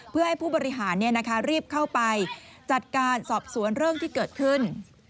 เพื่อให้ผู้บริหารรีบเข้าไปจัดการสอบสวนเรื่องที่เกิดขึ้น